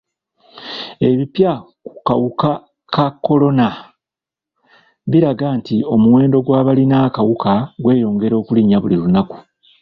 Ebipya ku kawuka ka kolona biraga nti omuwendo gw'abalina akawuka gweyongera okulinnya buli lunaku.